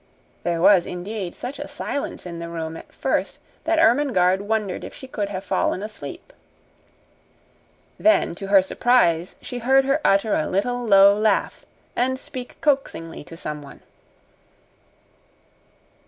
There was, indeed, such a silence in the room at first that Ermengarde wondered if she could have fallen asleep. Then, to her surprise, she heard her utter a little, low laugh and speak coaxingly to someone.